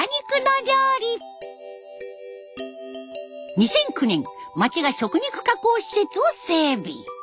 ２００９年町が食肉加工施設を整備。